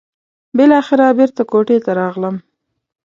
بالاخره بېرته کوټې ته راغلم.